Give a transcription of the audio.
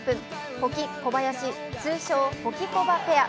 保木・小林通称、ホキコバペア。